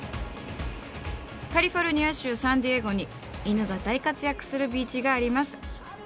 カリフォルニア州サンディエゴに犬が大活躍するビーチがあります。